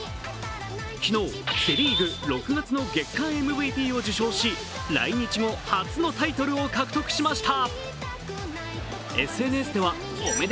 昨日、セ・リーグ６月の月間ＭＶＰを受賞し、来日後、初のタイトルを獲得しました。